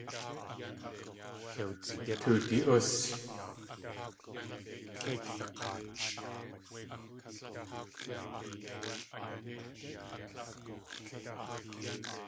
Tuwdi.ús.